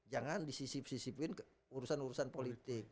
jangan disisip sisipin ke urusan urusan politik